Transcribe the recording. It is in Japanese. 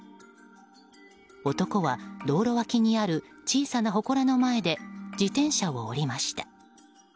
男は、道路脇にある小さなほこらの前で自転車を降りました。